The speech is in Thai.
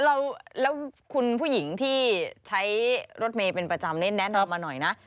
แล้วคุณผู้หญิงที่ใช้รถเมย์เป็นประจำได้แนะนำมาหน่อยนะ